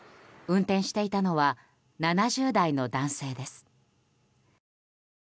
運転していたのは７０代の男性です。